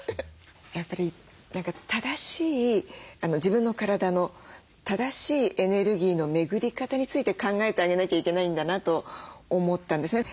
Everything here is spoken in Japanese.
やっぱり正しい自分の体の正しいエネルギーの巡り方について考えてあげなきゃいけないんだなと思ったんですね。